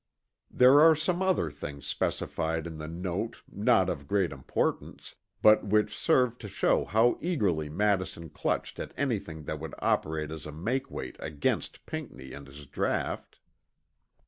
There are some other things specified in the Note not of great importance, but which serve to show how eagerly Madison clutched at anything that would operate as a makeweight against Pinckney and his draught.